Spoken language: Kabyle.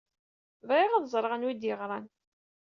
Bɣiɣ ad ẓreɣ anwa ay d-yeɣran.